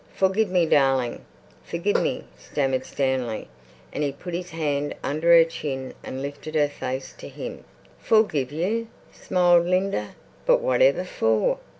"Forgive me, darling, forgive me," stammered Stanley, and he put his hand under her chin and lifted her face to him. "Forgive you?" smiled Linda. "But whatever for?"